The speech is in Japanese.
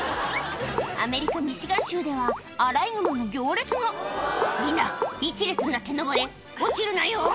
アメリカミシガン州ではアライグマの行列が「みんな１列になって登れ落ちるなよ」